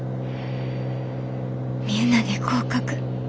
みんなで合格。